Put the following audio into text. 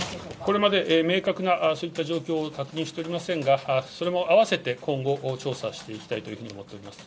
これまで、明確なそういった状況を確認しておりませんが、それも合わせて今後、調査していきたいというふうに思っております。